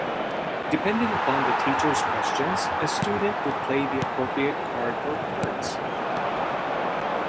Depending upon the teacher's questions a student would play the appropriate card or cards.